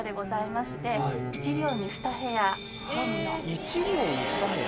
１両に２部屋。